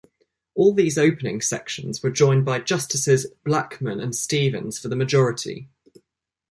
All these opening sections were joined by Justices Blackmun and Stevens for the majority.